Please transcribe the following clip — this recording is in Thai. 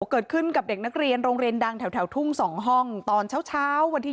เกิดขึ้นกับเด็กนักเรียนโรงเรียนดังแถวทุ่ง๒ห้องตอนเช้าวันที่๒